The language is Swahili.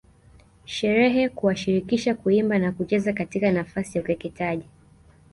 Sherehe kuwashirikisha kuimba na kucheza katika nafasi ya ukeketaji